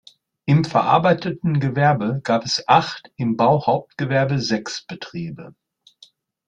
Im verarbeitenden Gewerbe gab es acht, im Bauhauptgewerbe sechs Betriebe.